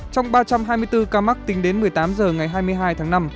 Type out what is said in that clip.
trong ba trăm hai mươi bốn ca mắc tính đến một mươi tám h ngày hai mươi hai tháng năm